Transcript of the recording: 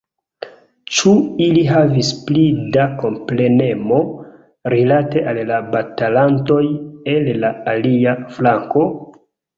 Ĉu ili havis pli da komprenemo rilate al la batalantoj el la alia flanko?